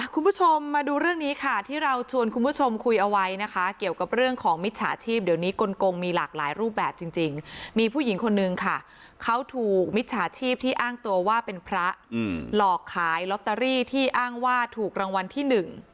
คุณผู้ชมมาดูเรื่องนี้ค่ะที่เราชวนคุณผู้ชมคุยเอาไว้นะคะเกี่ยวกับเรื่องของมิจฉาชีพเดี๋ยวนี้กลงมีหลากหลายรูปแบบจริงมีผู้หญิงคนนึงค่ะเขาถูกมิจฉาชีพที่อ้างตัวว่าเป็นพระหลอกขายลอตเตอรี่ที่อ้างว่าถูกรางวัลที่หนึ่ง